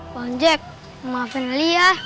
bang jek maafin ali ya